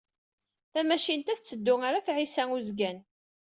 Tamacint-a tetteddu ɣer At Ɛisa Uzgan.